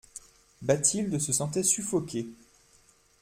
Bathilde se sentait suffoquer.